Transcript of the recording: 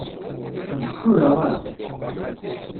Ḥbes tura hah.